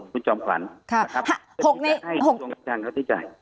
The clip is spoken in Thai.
คุณจอมขวัญต้องการรัฐที่จ่าย